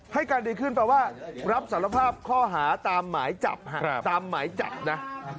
ให้การดีขึ้นแปลว่ารับสารภาพข้อหาตามหมายจับตามหมายจับนะ